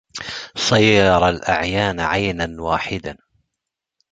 صير الأعيان عينا واحدا